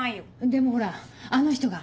でもほらあの人が。